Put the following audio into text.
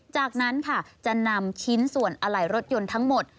จากนั้นค่ะจะนำชิ้นส่วนอะไหล่รถยนต์ทั้งหมด